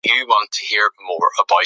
خلع باید د رضایت او معاوضې سره وي.